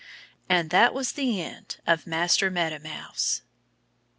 And that was the end of Master Meadow Mouse.